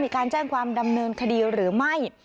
มีการแจ้งความดำเนินคดีหรือไม่